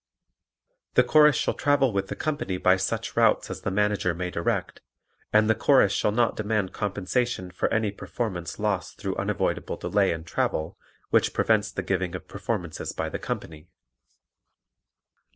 The Chorus shall travel with the company by such routes as the Manager may direct, and the Chorus shall not demand compensation for any performance lost through unavoidable delay in travel which prevents the giving of performances by the company.